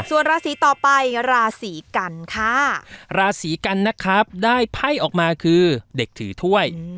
ส่วนราศีต่อไปราศีกันค่ะราศีกันนะครับได้ไพ่ออกมาคือเด็กถือถ้วย